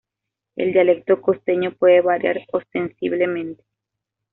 El dialecto costeño puede variar ostensiblemente.